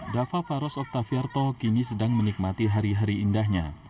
dava faros octaviarto kini sedang menikmati hari hari indahnya